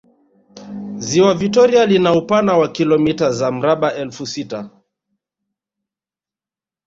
Ziwa Vitoria lina upana wa kilomita za mraba elfu sita